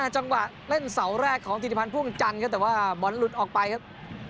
จังหวะเล่นเสาแรกของธิติพันธ์พ่วงจันทร์ครับแต่ว่าบอลหลุดออกไปครับ